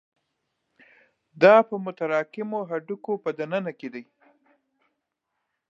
دا په متراکمو هډوکو په دننه کې دي.